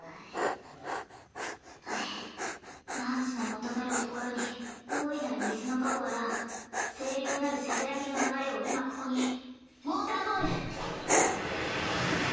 はぁ汝の求める所に大いなる水の加護あらん清涼なるせせらぎの流れを今ここにウォーターボール。